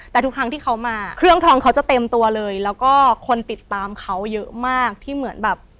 แต่ทุกครั้งที่เขามาเครื่องทองเขาจะเต็มตัวเลยแล้วก็คนติดตามเขาเยอะมากที่เหมือนแบบ